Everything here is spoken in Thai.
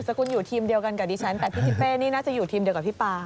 กุลอยู่ทีมเดียวกันกับดิฉันแต่พี่ทิเป้นี่น่าจะอยู่ทีมเดียวกับพี่ปา